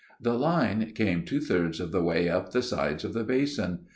The line came two thirds of the way up the sides of the basin.